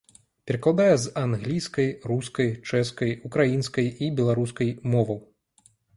Перакладае з англійскай, рускай, чэшскай, украінскай і беларускай моваў.